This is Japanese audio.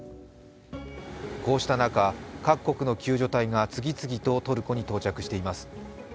こうした中、各国の救助隊が次々とトルコに到着しています。